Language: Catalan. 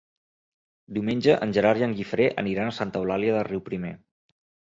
Diumenge en Gerard i en Guifré aniran a Santa Eulàlia de Riuprimer.